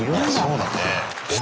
そうだね。